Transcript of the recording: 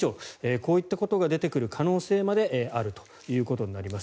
こういったことが出てくる可能性まであるということになります。